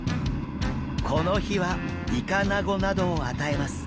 この日はイカナゴなどを与えます。